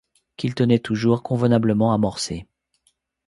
qu'il tenait toujours convenablement amorcées.